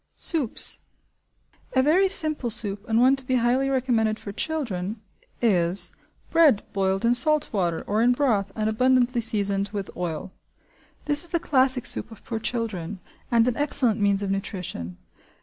Soups. A very simple soup, and one to be highly recommended for children, is bread boiled in salt water or in broth and abundantly seasoned with oil. This is the classic soup of poor children and an excellent means of nutrition.